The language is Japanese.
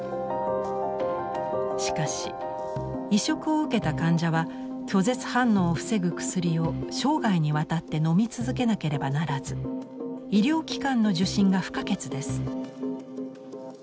しかし移植を受けた患者は拒絶反応を防ぐ薬を生涯にわたってのみ続けなければならず医療機関の受診が不可欠です。